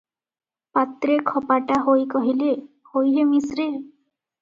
ପାତ୍ରେ ଖପାଟା ହୋଇ କହିଲେ, "ହୋଇ ହେ ମିଶ୍ରେ!